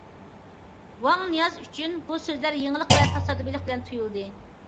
ۋاڭ نىياز ئۈچۈن بۇ سۆزلەر يېڭىلىق ۋە تاسادىپىيلىق بىلەن تۇيۇلدى.